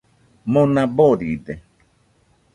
Mona boride